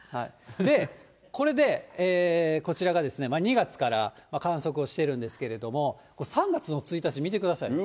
で、これでこちらがですね、２月から観測をしてるんですけれども、３月の１日見てください。